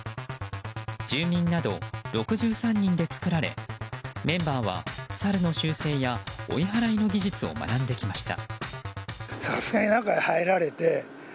住民など６３人で作られメンバーはサルの習性や追い払いの技術を学んできました。